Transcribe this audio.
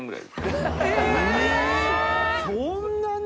そんなに！？